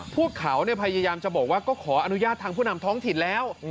พวกเขาพยายามจะบอกว่าก็ขออนุญาตทางผู้นำท้องถิ่นแล้ว